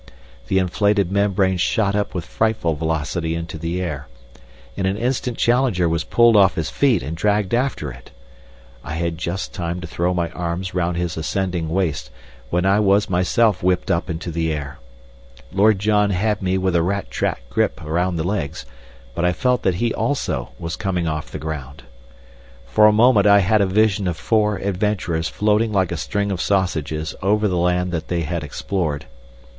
The inflated membrane shot up with frightful velocity into the air. In an instant Challenger was pulled off his feet and dragged after it. I had just time to throw my arms round his ascending waist when I was myself whipped up into the air. Lord John had me with a rat trap grip round the legs, but I felt that he also was coming off the ground. For a moment I had a vision of four adventurers floating like a string of sausages over the land that they had explored.